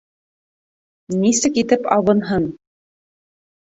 Нисек итеп абынһын?